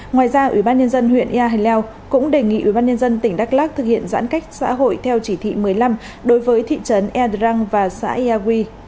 ngoài ra ubnd huyện ya hà leo cũng đề nghị ubnd tỉnh đắk lắc thực hiện giãn cách xã hội theo chỉ thị một mươi năm đối với thị trấn erdrang và xã ya huy